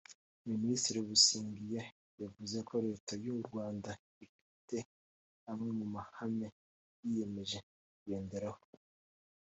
Minisitiri Busingye yavuze ko Leta y’u Rwanda ifite amwe mu mahame yiyemeje kugenderaho